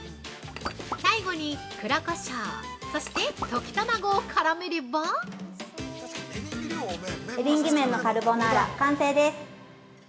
◆最後に黒こしょう、そして溶き卵を絡めれば◆「エリンギ麺のカルボナーラ」完成です。